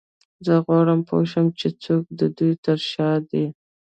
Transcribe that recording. زه غواړم پوه شم چې څوک د دوی تر شا دی